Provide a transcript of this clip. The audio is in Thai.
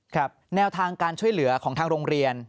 แนวทางการช่วยเหลือของทางโรงเรียน